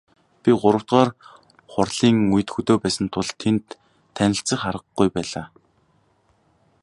Би гуравдугаар хурлын үед хөдөө байсан тул тэнд танилцах аргагүй байлаа.